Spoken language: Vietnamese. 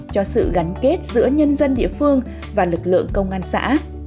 cho sự gắn kết giữa nhân dân địa phương và lực lượng công an xã